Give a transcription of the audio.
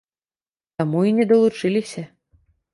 Таму і не далучыліся.